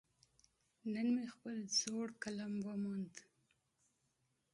نن مې خپل زاړه قلم وموند.